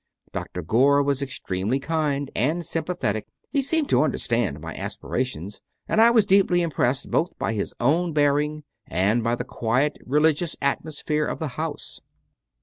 Dr. Gore was extremely kind and sympathetic; he seemed to understand my aspira tions, and I was deeply impressed both by his own bearing and by the quiet religious atmosphere of the house.